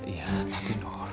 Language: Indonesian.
iya tapi nur